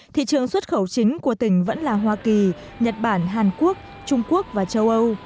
thị trường xuất khẩu chính của tỉnh vẫn là hoa kỳ nhật bản hàn quốc trung quốc và châu âu